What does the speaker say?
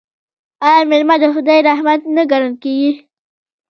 آیا میلمه د خدای رحمت نه ګڼل کیږي؟